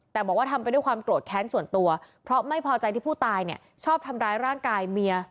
แต่บอกว่าทำไปด้วยความโกรธแค้นส่วนตัวเพราะไม่พอใจที่ผู้ตายเนี่ยชอบทำร้ายร่างกายเมีย